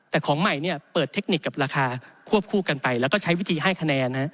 แต่ของใหม่เปิดเทคนิคกับราคาควบคู่กันไปแล้วก็ใช้วิธีให้คะแนน